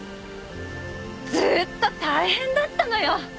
ずっと大変だったのよ！